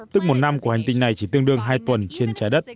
tức một năm của hành tinh này chỉ tương đương hai tuần trên trái đất